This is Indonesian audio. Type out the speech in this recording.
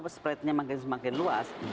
spreadnya semakin luas